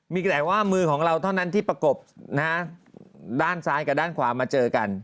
มีแต่ว่ามือของเราเท่านั้นที่ประกบนะฮะด้านซ้ายกับด้านขวามาเจอกัน